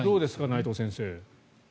内藤先生。